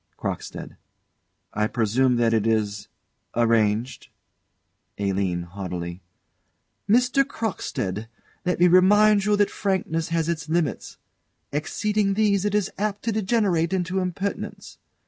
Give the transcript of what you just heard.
CROCKSTEAD. I presume that it is arranged? ALINE. [Haughtily.] Mr. Crockstead, let me remind you that frankness has its limits: exceeding these, it is apt to degenerate into impertinence.